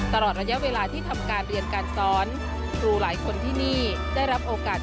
ตลอดระยะเวลาที่ทำการเรียนการสอนครูหลายคนที่นี่ได้รับโอกาส